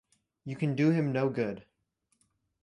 You can do him no good.